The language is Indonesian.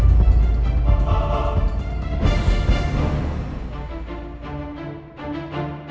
aku mau percaya dia